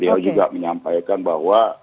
beliau juga menyampaikan bahwa